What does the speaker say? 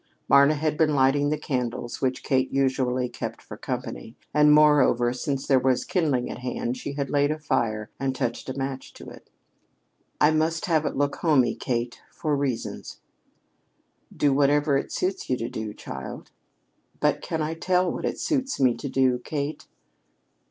Marna had been lighting the candles which Kate usually kept for company; and, moreover, since there was kindling at hand, she laid a fire and touched a match to it. "I must have it look homey, Kate for reasons." "Do whatever it suits you to do, child." "But can I tell you what it suits me to do, Kate?"